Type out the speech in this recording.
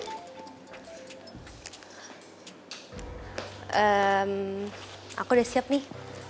hmm aku udah siap nih